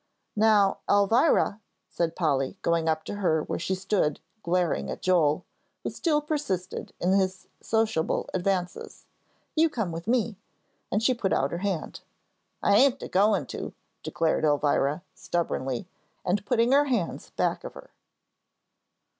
"Now, Elvira," said Polly, going up to her, where she stood glaring at Joel, who still persisted in his sociable advances, "you come with me," and she put out her hand. "I ain't a goin' to," declared Elvira, stubbornly, and putting her hands back of her.